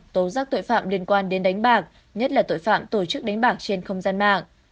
tố giác tội phạm liên quan đến đánh bạc nhất là tội phạm tổ chức đánh bạc trên không gian mạng